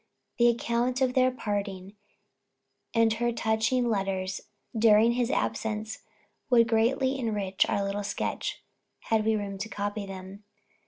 The account of their parting, and her touching letters during his absence would greatly enrich our little sketch, had we room to copy them.